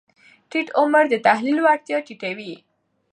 ټیټ عمر د تحلیل وړتیا ټیټه وي.